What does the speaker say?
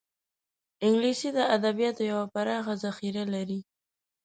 انګلیسي د ادبیاتو یوه پراخه ذخیره لري